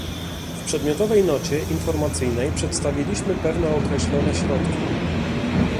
W przedmiotowej nocie informacyjnej przedstawiliśmy pewne określone środki